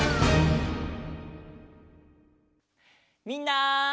みんな！